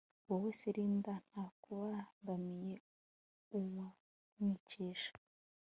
wowe se Linda ntakubangamiye uwamwicisha